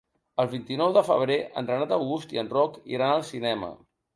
El vint-i-nou de febrer en Renat August i en Roc iran al cinema.